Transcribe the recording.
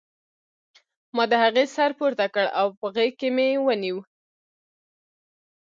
ما د هغې سر پورته کړ او په غېږ کې مې ونیو